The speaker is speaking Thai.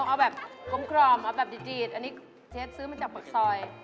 เอาแบบกลมเอาแบบจีดอันนี้เชฟซื้อมาจากปากซอย